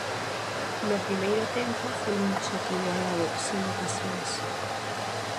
No primeiro tempo foi un choque igualado, sen ocasións.